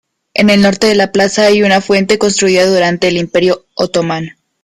En el norte de la plaza, hay una fuente construida durante el imperio otomano.